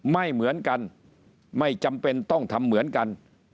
ไม่เหมือนกันไม่จำเป็นต้องทำเหมือนกัน